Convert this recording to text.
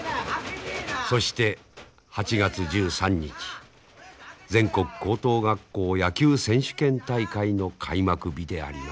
そして８月１３日全国高等学校野球選手権大会の開幕日であります。